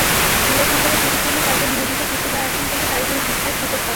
সিলেট নগরে ঝুঁকিপূর্ণ কাজে নিয়োজিত শিশুরা এখন থেকে কারিগরি শিক্ষার সুযোগ পাবে।